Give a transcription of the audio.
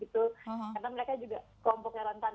karena mereka juga kompoknya rentan